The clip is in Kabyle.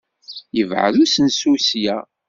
Yebɛed usensu ssya?